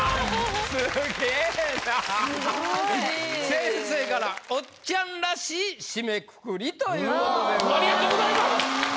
先生から「おっちゃんらしい締めくくり」という事でございます。